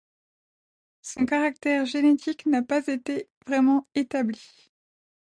Son caractère génétique n'a pas été vraiment établi.